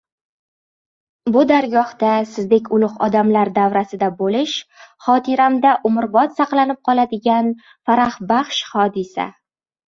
Bu dargohda sizdek ulug‘ odamlar davrasida bo‘lish xotiramda umrbod saqlanib qoladigan farahbaxsh hodisa.